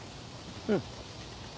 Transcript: うん。